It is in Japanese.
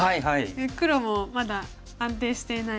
で黒もまだ安定していない。